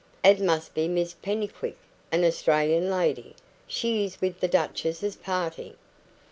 "It must be Miss Pennycuick an Australian lady. She is with the duchess's party."